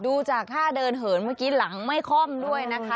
ดูจากท่าเดินเหินเมื่อกี้หลังไม่ค่อมด้วยนะคะ